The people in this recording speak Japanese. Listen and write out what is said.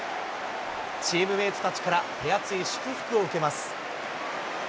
チームメートたちから、手厚い祝福を受けます。